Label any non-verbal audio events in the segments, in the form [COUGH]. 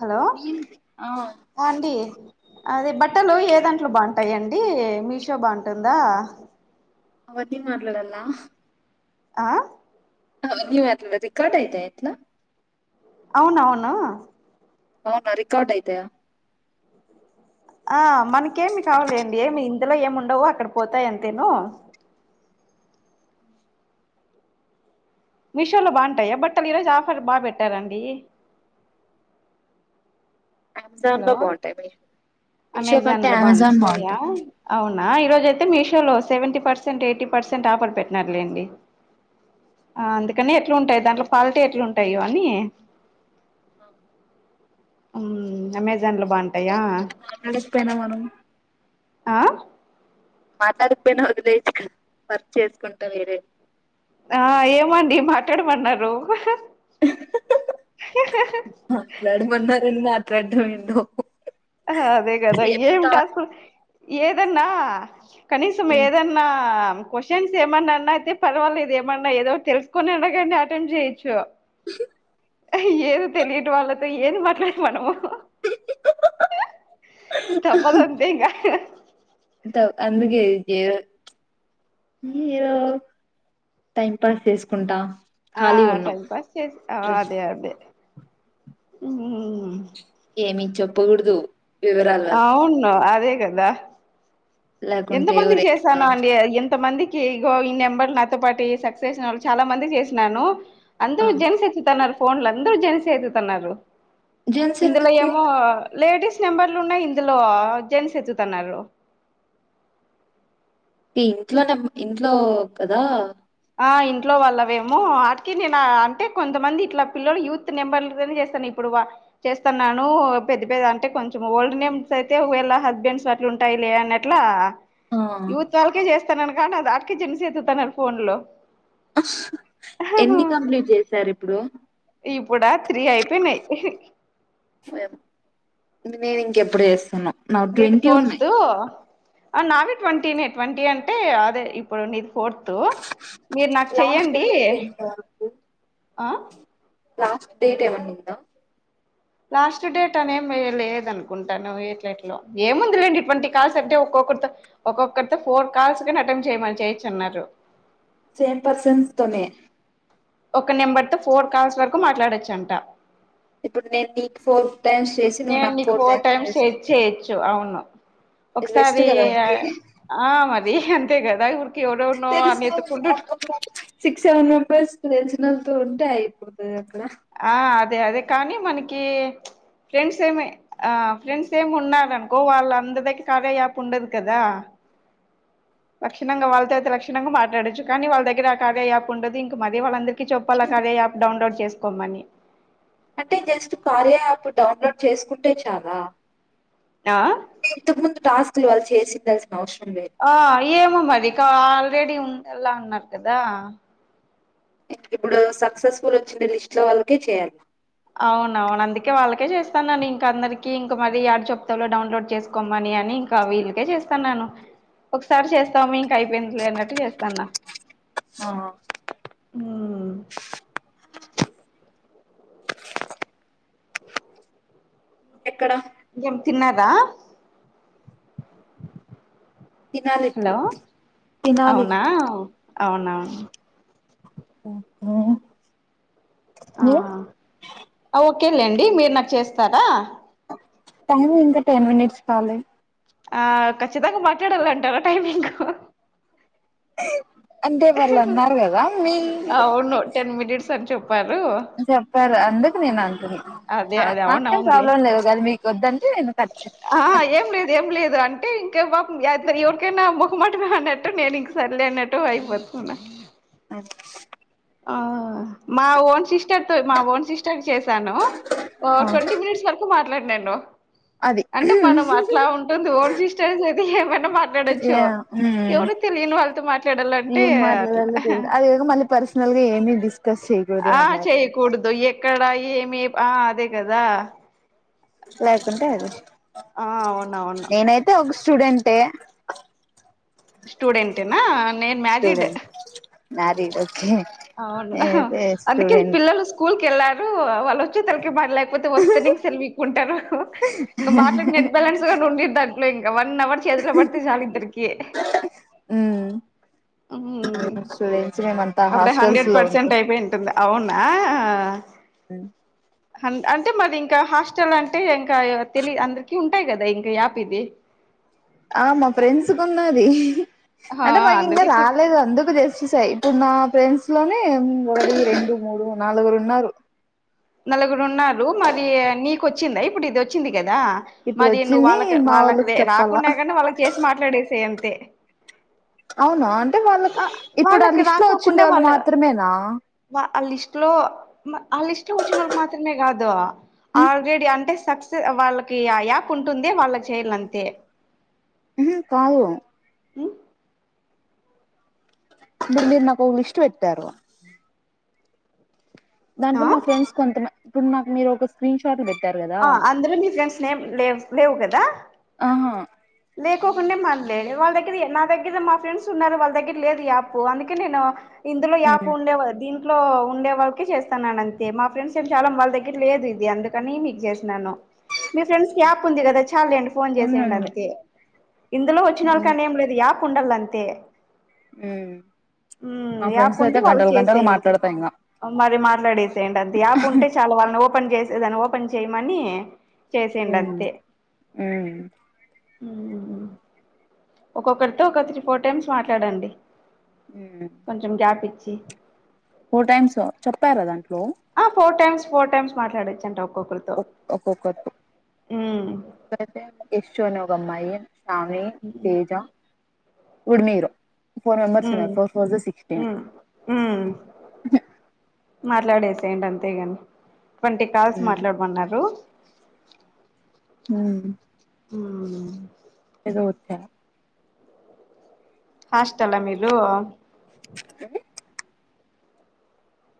Hello నేను ఆ ఆ అండి అదే బట్టలు ఏ దాంట్లో బాగుంటాయిండి మీషో బాగుంటుందా అవత్ీ మలడలా [UNINTELLIGIBLE] ఆ హలో [UNINTELLIGIBLE] రికార్డ్ అయితే ఇట్ల అవును అవును అవునా రికార్డ్ అయితయ ఆ మనకేమి కావాలండి ఏమి ఇందులో ఏమి ఉండవు అక్కడ పోతాయింతేను మీషోలో బాగుంటాయా బట్టలు ఈరోజు ఆఫర్ బా పెట్టారండి అమెజాన్ హలో లో బాగుంటాయి మీషో మీషో అమెజాన్ కంటే లో అమెజాన్ బాగుంటాయా బాగుంటాయి అవును ఈ రోజ అయితే మీషో లో seventy percent eighty percent offer పెట్టినరూలేండి ఆ అందుకని ఎట్లుంటాయి దాంట్లో క్వాలిటీ ఎట్లుంటాయో అన్నీ ఊమ్ అమెజాన్ అమెజాన్ బాగుంటాయా మాట్లాడకపోయినా మనం ఆ మాట్లాడకపోయినా వదిలేయొచ్చు కదా వర్క్ చేసుకుంటా వేరే ఆ ఏమండి మాట్లాడమన్నారు మాట్లాడమన్నారని మాట్లాడటం ఏంటో అదే కాదా ఏం టాస్క్ ఏదన్నా కనీసం ఏదన్నా క్వశ్చన్స్ ఏమన్నా అన్నా అయితే పర్వాలేదు ఏమన్నా ఏదో తెలుసుకొని అయినాగాని అటెంప్ట్ చేయొచ్చు ఏది తెలియటీ వాళ్ళతో ఏది మాట్లాడే మనము తప్పడంతే ఇంగ అంతా అందుకే ఇడి మీ [UNINTELLIGIBLE] టైం పాస్ చేసుకుంటా ఆ ఖాళీగా ఉన్నాం టైం పాస్ చే అదే అదే ఏమీ చెప్పకూడదు వివరాల వల్ల అవును అదేగదా ఎంత లేకుంటే మందికి ఎవరైనా చేసాను అండి ఎంత మంది ఈగో ఈ నెంబర్ నాతో పాటు సక్సెస్ వాళ్ళు చాలా మంది చేసినాను ఆ! అందరుూ జెన్స్ ఎత్తుతూన్నారు ఫోన్లు అందరుూ జెన్సె ఎత్తుతున్నారు జెంట్స్ ఇందులో ఎందుకు? ఏమో లేడీస్ నెంబర్లు ఉన్నా ఇందులో జెన్స్ ఎత్తుతున్నారు ఈ ఇంట్లోనేె ఇంట్లో కదా ఆ ఇంట్లో వాళ్లవేమో ఆటికి నేను అంటే కొంతమంది ఇట్లా పిల్లలు యూత్ నెంబర్లునే చేస్తాను ఇప్పుడు ఇ చేస్తున్నాను పెద్ద పెద్ద అంటే కొంచెం ఓల్డ్ నేమ్స్ అయితే వీళ్ళ హస్బెండ్స్ అట్లు ఉంటాయి లే అన్నట్లా ఆ! యూత్ వాాలకే చేస్తానను కానీ ఆటికే జెన్సె ఎత్తుతన్నారు ఫోన్ లు ఎన్ని కంప్లీట్ చేసారు ఇప్పుడు ఇప్పుడా త్రీ అయిపోయినాయి ఫైవ్ ఇది నేను ఇంకెప్పుడు చేస్తనో నీది ఫోర్త్ నావి ట్వంటీనే ట్వంటీ అంటే అదే ఇప్పుడు నీది ఫోర్త్ మీరు నాకు లాస్ట్ చెయ్యండి డేట్ ఎంత వరకు? ఆ లాస్ట్ డేట్ ఏమన్నా ఉందా లాస్ట్ డేట్ అని ఏం లేద అనుకుంటాను ఎట్లట్లో ఏముంది లేండి ఇటువంటి కాల్స్ అంటే ఒ క్క ఒక్కొక్కరితో ఫోర్ కాల్స్ అటెంప్ట్ చేయమని చేయొచ్చు అన్నారు సేమ్ పర్సన్స్ తోనే ఒక నెంబర్ తో ఫోర్ కాల్స్ వరకు మాట్లాడొచ్చంట ఇప్పుడు నేను నీకు ఫోర్ టైమ్స్ చేసి నువ్వు నేను నాకు నీకు ఫోర్ టైమ్స్ చేసి చేయొచ్చు అవును ఇది బెస్ట్ ఒకసారి కదా నీకి. ఆ మరి అంతే కదా ఎవరెవరినో అని తెలుసుకో ఎతుక్కుంటుంటే [UNINTELLIGIBLE] సిక్స్ సెవెన్ మాట్లాడుతూ ఉంటే అయిపోతాది అంటానా ఆ అదే అదే కానీ మనకి ఫ్రెండ్స్ ఏమి ఆ ఫ్రెండ్స్ ఏమి ఉన్నారనుకో వాళ్ళ అంద దగ్గర కార్య యాప్ ఉండదు కదా లక్షణంగా వాళ్ళతో అయితే లక్షణంగా మాట్లాడొచ్చు కానీ వాళ్ళ దగ్గర ఆ కార్య యాప్ ఉండదు ఇంక మళ్ళీ వాళ్ళందరి చెప్పాల కార్య యాప్ డౌన్లోడ్ చేసుకోమని అంటే జస్ట్ కార్య యాప్ డౌన్లోడ్ చేసుకుంటే చాలా ఆ ఇంతకు ముందు టాస్క్ లు వాళ్ళు చేసిందస్ ఆ ఏమో మరి కా ఆల్రెడీ ఉండాల్లా అన్నారు కదా ఇ ఇప్పుడు సక్సెస్ఫుల్ వచ్చింది లిస్ట్ లో వాళ్ళకే చెయ్యాలి అవునవును అందుకే వాళ్ళకే చేస్తానని ఇంక, అందరికీ ఇంక మరీ యాడ చెప్తాలె డౌన్లోడ్ చేసుకోమని. అని ఇంకా వీళకే చేస్తాన్నాను, ఒకసారి చేస్తాము ఇంక అయిపోయిందిలే అన్నట్టు చేస్తాన్నా. ఆ ఉమ్. ఎక్కడ ఇంగేం తిన్నారా తినాలి హలో ఇప్పుడు తినాలి అవునా అవునవును [INAUDIBLE] యే కేలేండి మీరు నాకు చేస్తారా టైం ఇంకా టెన్ మినిట్స్ కాలె ఆ ఖచ్చితంగ మాట్లాడాలంటారా టైమింగు అంటే వాళ్ళు అన్నారు గదా మీరె అవును టెన్ మినిట్స్ అని చెప్పారు చెప్పారు అందుకు నేను అంటున్నా, అదే నా అదే అవును నాకేం అవునులే ప్రాబ్లం లేదు గానీ మీకు ఒద్దన్. ఆ ఏం లేదు ఏం లేదు అ అంటే ఇంక బాపం [UNINTELLIGIBLE] ఎవరికైనా మొహమాటమే అన్నట్టు నేను ఇంక సర్లే అన్నట్టు బయపతున్నా. అ ఆ మా ఓన్ సిస్టర్ తో మా ఓన్ సిస్టర్ చేశాను ట్వంటీ మినిట్స్ వరకు మా ట్లడ్ నేన్ను అది అంటే మనం అట్లా ఉంటుంది ఓన్ సిస్టర్స్ అయితే ఏమైనా మాట్లాడొచ్చు యా మ్మ్ ఎవరు తెలియని వాళ్తో మాట్లాడాలంటే ఏం అట్లా మాట్లాడాలో తెలీదు అదేదో మళ్ళీ పర్సనల్ గా ఏమి డిస్కస్ చేయకూడదు ఆ అన్నారు చేయకూడదు ఎక్కడా ఏమి ఆ అదే కదా లేకుంటే అది ఆ అవునవును నేనైతే ఒక స్టూడెన్ టే స్టూడెంటెనా నేన్ మ్యారిడ్ మ్యారిడు అవును అహ అందుకే స్టూడెంట్ పిల్లలు స్కూల్ కెళ్లారు వాళ్ళు వచ్చే తలకి బల్ల పోతే వస్తెనే సెల్ వీక్కుంటారు హు ఇంగ మాట్లాడి నెట్ బాలన్స్ నుండి దాంట్లో ఇంకా వన్ అవర్. చేతులో పడుతే సాల్ ఇద్దరికి ఆ ఉమ్ స్టూడెంట్స్ మేమంతా అప్పుడే హాస్టల్స్ హండ్రెడ్ లో ఉంట పర్సెంట్ అయిపోయి ఉంటుంది అవునా ఉ హన్ అంటే మాది ఇంకా హాస్టల్ అంటే ఇంకా తెలి అందరికీ ఉంటాయ్ గ లే ఇంక యాప్ ఇది ఆ మా ఫ్రెండ్స్ కున్నాది ఆ అంటే మాకు ఇంగ అందుకే చె రాలేదు అందుకు జేస్ చేసాయి ఇప్పుడు నా ఫ్రెండ్స్ లోనే మొదటీ, రెండు, మూడు, నలుగురు ఉన్నారు నలుగురు ఉన్నారు మరీ నీకు ఒచ్చిందా ఇప్పుడు ఇది ఒచ్చింది కదా ఇప్పుడు మరి నువ్వు వచ్చింది వాళ్ళకి మా వాళ్ళకి వోళ్ళకి రె రాకుండా చెప్పాలా గాని వాళ్ళకి చేసి మాట్లాడేసేయన్ తె అవునా అంటే వాళ్ళక్ ఇప్పుడు ఆ వాళ్ళకి లిస్ట్ లో వచ్చిండే వాళ్ళు మాత్రమేనా వా ఆ లిస్ట్ లో మ ఆ లిస్ట్ లో వచ్చినోళకి మాత్రమే గాదు ఉమ్ ఆల్రెడీ అంటే సక్స్ వాళ్ళకి ఆ యాప్ ఉంటుంది వాళ్ళ చేయలంతే ఉహు కాదు మీరు మీరు నాకు ఒక లిష్టు వెట్టారు దాంట్లో మా ఆ ఫ్రెండ్స్ కొంతమ, ఇప్పుడు నాకు మీరు ఒక స్క్రీన్ షాట్ బె. ఆ అందులో నీ ఫ్రెండ్స్ నేం లేవ్ లేవు కదా ఆహా లే కోకుండే మన్లే వాళ్ దగ్గర నా దగ్గర మా ఫ్రెండ్స్ ఉన్నారు వాళ్ దగ్గర లేదు ఈ యాప్ అందుకే నేను ఇందులో యాప్ ఉమ్ ఉండేవారు దీనికి ఇంట్లో ఉండే వాళ్ళకే చేస్తన్నాన్నంతే. మా ఫ్రెండ్స్ [UNINTELLIGIBLE] చాలా వాళ్ళ దగ్గర లేదిదీ అందుకని నీక్ చేసినాను మీ ఫ్రెండ్స్కి యాప్ ఉంది గదా చాళ్ళేండి ఫోన్ ఉంది ఉంది చేసెయ్యండంతే. ఇందులో వచ్చి నొళ్ళ కనేం లేదు యాప్ ఉండల్ల అంతే. హ్మ్మ్ మ్మ్ మా యాప్ ఫ్రెండ్స్ ఉంటే అయితే గంటల వాళ్ళకి గంటలు చేసేయండి మాట్లాడతా ఇంగ. మరి మాట్లాడేసేయండి అంతే యాప్ ఉంటే చాలు వాళ్ళని ఓపెన్ చేసి దాన్ని ఓపెన్ చేయమని ఉమ్ చేసెయ్యండంతే ఉమ్ ఒక్కొక్కరితో ఒక త్రీ ఫోర్ టైమ్స్ మాట్లాడండి. ఉమ్ కొంచెం గ్యాప్ ఇచ్చి [INAUDIBLE] ఫోర్ టైమ్స్ చెప్పారుగా ఆ ఫోర్ టైమ్స్ ఫోర్ టైమ్స్ మాట్లాడచ్చంట. ఒక్కొక్క ఉమ్ అతే యశ్శు అని ఒక అమ్మా యి షామి తేజ ఉడిమీరు ఫోర్ మెంబర్స్ ఉమ్ ఉన్నారు ఫోర్ ఫైజా సిక్ స్టీన్ ఉమ్ మాట్లాడేసెయ్యండంతేగాని ట్వంటీ కాల్స్ ఉమ్ మాట్లాడుమన్నారు. [INAUDIBLE] ఊ ఊ దోచ్చ హాస్టల్ ఆ మీరు?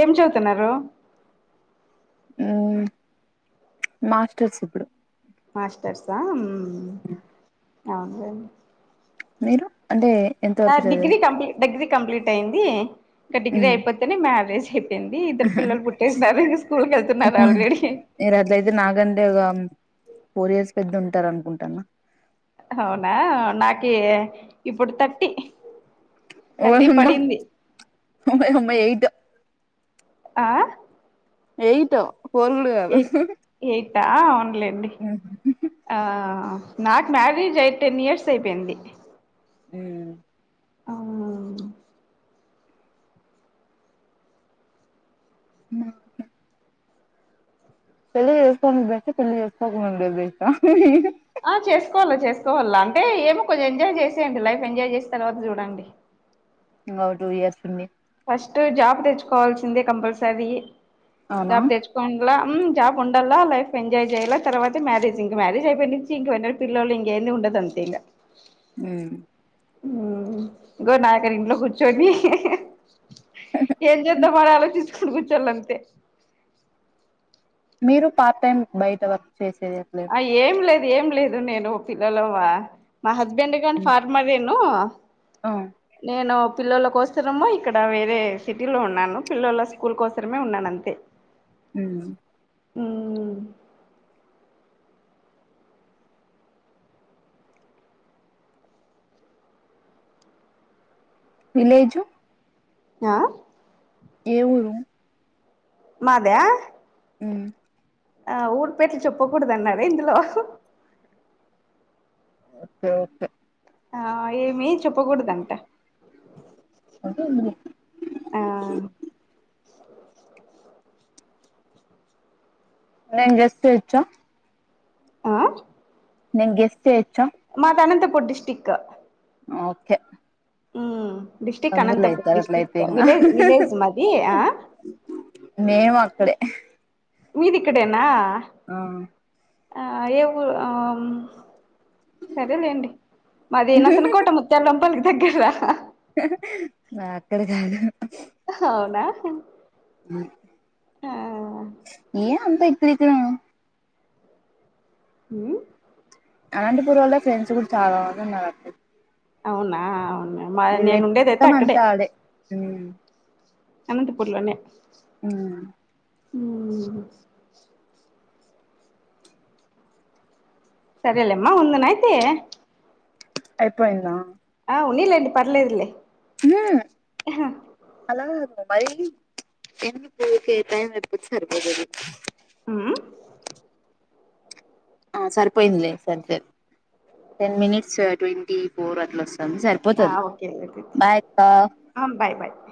ఏం చదుతున్నారు? మాస్టర్స్ ఇప్పుడు మాస్టర్స్ ఆ ఉమ్ [INAUDIBLE] అవును లేండి మీరు అంటే ఎంత వరకు నాది డిగ్రీ చదివారు కంప్లీ డిగ్రీ కంప్లీట్ అయింది. ఇంకా డిగ్రీ హ్మ్ అయిపోతేనే మ్యారేజ్. అయిపోయింది ఇద్దరు పిల్లలు పుట్టేసినారు, ఇక స్కూల్ కి వెళ్తున్నారు ఓన్ ఆల్రెడీ. మీరు అట్లయితే నాగంటే ఒక ఫోర్ ఇయర్స్ పెద్ద ఉంటారు అనుకుంటాన్న అవునా నాకి ఇప్పుడు థర్టీ. ఓ థర్టీ హమ్మ పడింది ఓహమ్మ ఏ యిట్ ఆ ఎయిట్ ఫోర్ కూడా కాదు. ఆ అవును లేండి ఆ నాకు మ్యారేజ్ అయి టెన్ ఇయర్స్ అయిపోయింది. ఊ ఆవునా మా అన్న పెళ్ళి చేసుకుంటే బెస్ట్ ఆ పెళ్ళి చేసుకో కుంటే బెస్ట్ ఆ ఆ చేసుకోవల్ల చేసుకోవల్ల అంటే ఏమో కొంచెం ఎంజాయ్ చేసేయండి లైఫ్ ఎంజాయ్ చేసిన తర్వాత చూడండి ఇంగా టూ ఇయర్స్ ఉండి ఫస్ట్ జాబ్ తెచ్చుకోవాల్సిందే కంపల్సరీ. అవునా జాబ్ తెచ్చుకోవం లా హ్మ్మ్ జాబ్ ఉండల్ల లైఫ్ ఎంజాయ్ చేయల్ల, తరువాతే మ్యారేజ్ ఇంక మ్యారేజ్ అయిపోయి నిచ్చి ఇంక వెంటనే పిల్లోల్లు ఇంక ఏంది ఉండదు. అదంతే ఇగ ఉమ్ ఇగో నాకల్ల ఇంట్లో కూర్చోని ఏం చేద్దా మని ఆలోచించకుంట కూచోల్ల అంతే. మీరు పార్ట్ టైం బయట వర్క్ చేసేది ఏం లేదు ఆ ఏం లేదు ఏం లేదు నేను పిల్లలవా మా హస్బెండ్ గాని ఫార్మర్రేను. ఆ నేను పిల్లోల్ల కోసరము ఇక్కడ వేరే సిటీలో ఉన్నాను. పిల్లల స్కూల్ కోసరమే ఉన్నానంతే. ఊ అ విలేజు ఆ ఏ ఊరు మాదా హ్మ్మ్ ఆ ఊరి పేరు చెప్పకూడదు అన్నారా ఇందులో ఓకే ఓకే ఆ ఏమి చెప్పకూడదంట అ ఆ నేం జస్తి వచ్చా ఆ నిం ఎస్ే వచ్చా ప్పుడ్డిస్టిక్ ఓకే హ్మ్మ్ డిస్టక్ట్ బంధువులు అనంతపుర్ అయితారు అట్లయితే డిస్టక్ట్ ఇంగ విలేజ్ విలేజ్ మది ఆ మేము అక్కడే మీది ఇక్కడేనా ఆ ఆ ఏవ ఆ సరేలేండి మాది నసనకోట ముత్యాలవంపలికి దగ్గరరా అక్కడ కాదు అవునా ఆ ఏ అబా ఇప్పుడ ఇక్క హ అలాంటి పూర్ వాళ్ల్లో ఫ్రెండ్స్ కూడా చాలా బంది ఉన్నారుడి అవునా అవునా మా నేను ఉండేదైతే మొత్తం అక్కడే అంతా ఆడే ఉమ్ అనంతపూర్లోనేే ఆ అ సర అలే అమ్మా ముందన్ అయితే అయిపోయింద ఉన్నాలేండి పర్లేదుల్లే అ అలాదు మరిీ చెన్న పోక టైం వపుట్సర్బోదు అది ఆ ఆ సరిపోయిందిలే స స టెన్ మినిట్స్ ట్వంటీ ఫోర్ అట్లా వస్తుంది ఆ సరిపోతుంది ఓకేలే బాయ బాయ్ బాయ్